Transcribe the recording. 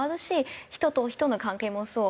人と人の関係もそう。